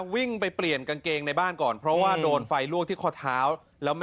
วิ่งไปเปลี่ยนกางเกงในบ้านก่อนเพราะว่าโดนไฟลวกที่ข้อเท้าแล้วไม่